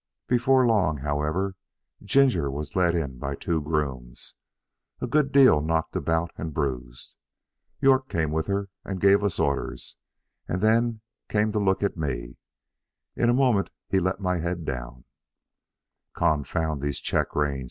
Before long, however, Ginger was led in by two grooms, a good deal knocked about and bruised. York came with her and gave us orders, and then came to look at me. In a moment he let down my head. "Confound these check reins!"